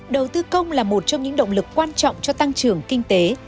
đầu tư công là một trong những động lực quan trọng cho tăng trưởng kinh tế